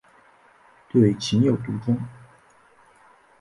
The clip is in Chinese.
对情有独钟。